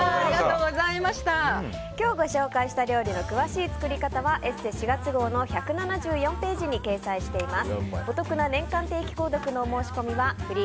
今日ご紹介した料理の詳しい作り方は「ＥＳＳＥ」４月号の１７４ページに掲載しています。